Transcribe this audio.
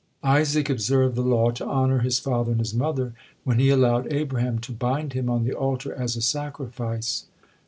Isaac observed the law to honor his father and his mother, when he allowed Abraham to bind him on the altar as a sacrifice.